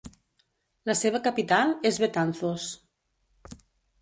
La seva capital és Betanzos.